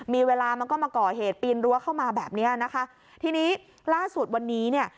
มีเวลามันก็มาก่อเหตุปีนรั้วเข้ามาแบบเนี้ยนะคะทีนี้ล่าสุดวันนี้เนี่ย